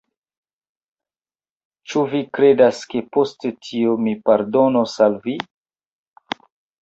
Ĉu vi kredas, ke post tio mi pardonos al vi?